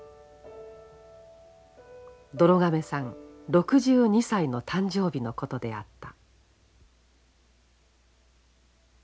どろ亀さん６２歳の誕生日のことであった。